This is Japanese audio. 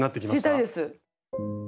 知りたいです。